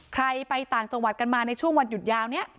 ใครไปต่างจังหวัดกันมาในช่วงวันหยุดยาวนี้